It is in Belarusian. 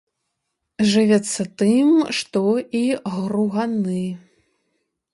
Жывяцца тым, што і груганы.